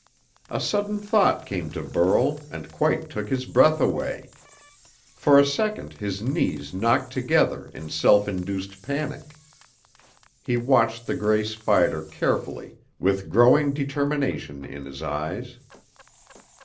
A sudden thought came to Burl and quite took his breath away. For a second his knees knocked together in self induced panic. He watched the gray spider carefully with growing determination in his eyes.